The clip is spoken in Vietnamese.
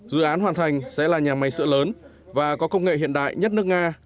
dự án hoàn thành sẽ là nhà máy sữa lớn và có công nghệ hiện đại nhất nước nga